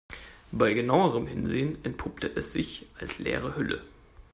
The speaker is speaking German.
Bei genauerem Hinsehen entpuppt es sich als leere Hülle.